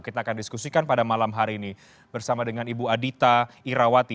kita akan diskusikan pada malam hari ini bersama dengan ibu adita irawati